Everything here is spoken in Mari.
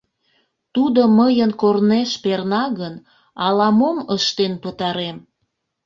Тудо мыйын корнеш перна гын, ала-мом ыштен пытарем.